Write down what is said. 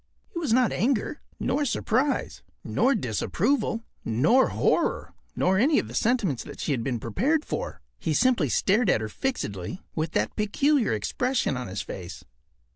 It was not anger, nor surprise, nor disapproval, nor horror, nor any of the sentiments that she had been prepared for. He simply stared at her fixedly with that peculiar expression on his face.